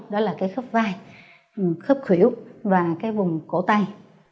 đó là khớp vai khớp khỉu và vùng cổ tay